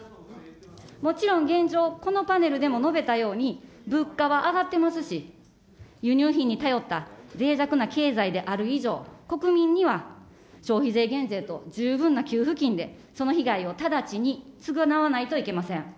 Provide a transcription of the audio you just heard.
もちろん現状、このパネルでも述べたように、物価は上がってますし、輸入品に頼ったぜい弱な経済である以上、国民には消費税減税と十分な給付金で、その被害を直ちに償わないといけません。